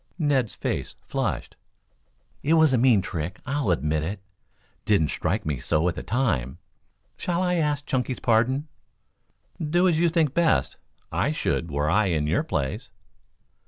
Ned's face flushed. "It was a mean trick, I'll admit. Didn't strike me so at the time. Shall I ask Chunky's pardon?" "Do as you think best. I should, were I in your place."